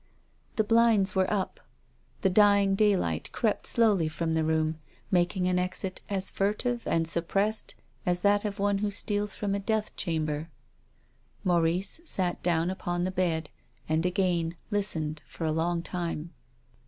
The blinds were up. The dying day light crept slowly from the room, making an exit as furtive and suppressed as that of one who steals from a death chamber. Maurice sat down upon the bed and again listened for a long time.